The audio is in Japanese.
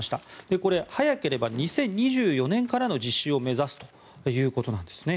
これ、早ければ２０２４年からの実施を目指すということなんですね。